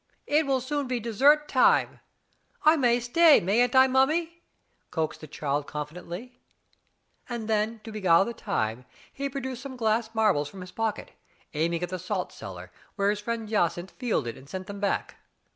"It will soon be dessert time; I may stay, mayn't I, mummy?" coaxed the child confidently. Then to beguile the time, he produced some glass marbles from his pocket, aiming at the salt cellar, where his friend Jacynth fielded and sent them back.